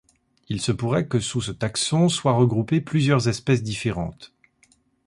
Il se pourrait que sous ce taxon soient regroupées plusieurs espèces différentes.